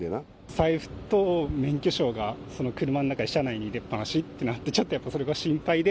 財布と免許証が、その車ん中、車内に入れっ放しになってて、ちょっとやっぱそれが心配で。